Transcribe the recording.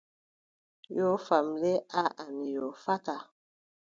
Yoofam le aaʼa mi yoofataaa.